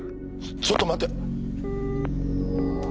ちょっと待て！